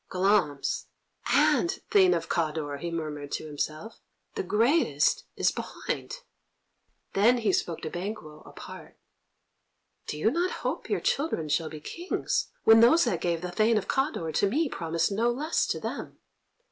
"Glamis, and Thane of Cawdor!" he murmured to himself. "The greatest is behind." Then he spoke to Banquo apart: "Do you not hope your children shall be Kings, when those that gave the Thane of Cawdor to me promised no less to them?"